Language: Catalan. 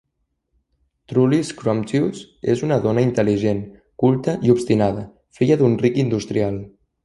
Truly Scrumptious és una dona intel·ligent, culta i obstinada, filla d'un ric industrial.